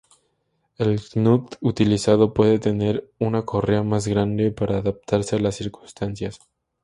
El knut utilizado puede tener una correa más grande para adaptarse a las circunstancias.